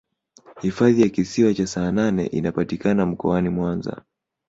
hifadhi ya kisiwa cha saanane inapatika mkoani mwanza